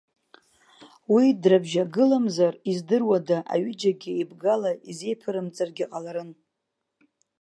Уи дрыбжьагыламзар, издыруада, аҩыџьагьы еибгала изеиԥырымҵыргьы ҟаларын.